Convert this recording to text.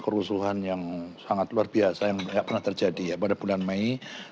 kerusuhan yang sangat luar biasa yang pernah terjadi ya pada bulan mei